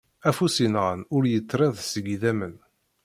Afus yenɣan ur yettrid seg idammen.